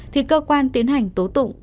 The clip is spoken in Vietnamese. thì cơ quan tiến hành tố tụng